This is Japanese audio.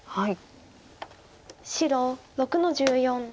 白６の十四。